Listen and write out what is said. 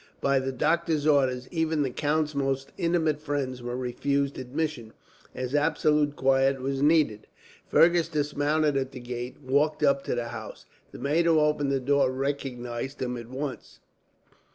By the doctor's orders, even the count's most intimate friends were refused admission, as absolute quiet was needed. Fergus dismounted at the gate, and walked up to the house. The maid who opened the door recognized him at once.